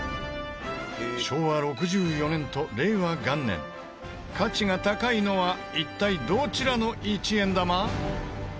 昭和６４年と令和元年価値が高いのは一体どちらの１円玉？